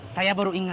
saya baru inget